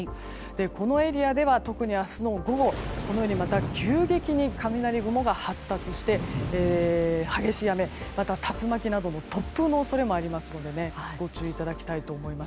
このエリアでは特に明日の午後また急激に雷雲が発達して激しい雨、竜巻などの突風の恐れもありますのでご注意いただきたいと思います。